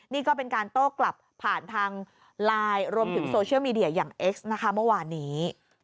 นี่ก็เป็นการโต้กลับผ่านทางไลน์รวมถึงโซเชียลมีเดียอย่างเอ็กซ์นะคะเมื่อวานนี้